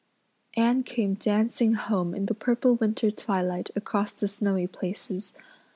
Anne came dancing home in the purple winter twilight across the snowy places.